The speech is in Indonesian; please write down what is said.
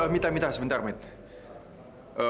mita mita sebentar mita